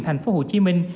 thành phố hồ chí minh